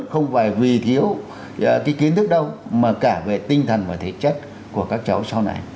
không phải vì thiếu cái kiến thức đâu mà cả về tinh thần và thể chất của các cháu sau này